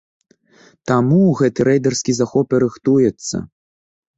Таму гэты рэйдарскі захоп і рыхтуецца!